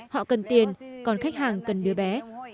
họ cần tiền còn khách hàng cần đứa bé